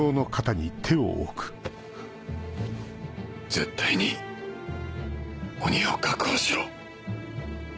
絶対に鬼を確保しろ。